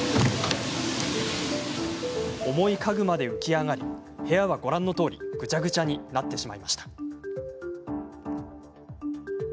重い家具まで浮き上がり部屋は、ご覧のとおりぐちゃぐちゃになってしまいました。